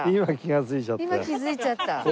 気づいちゃった。